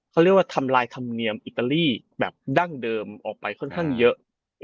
เขาเรียกว่าทำลายธรรมเนียมอิตาลีแบบดั้งเดิมออกไปค่อนข้างเยอะ